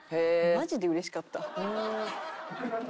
マジでうれしかった。